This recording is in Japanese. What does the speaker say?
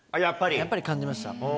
やっぱり感じました。